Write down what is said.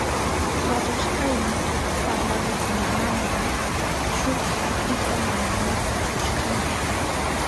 Pallashkayni papayukunamanta shuk partita ñañaynita kushkani.